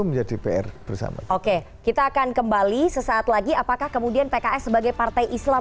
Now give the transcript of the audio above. menjadi pr bersama oke kita akan kembali sesaat lagi apakah kemudian pks sebagai partai islam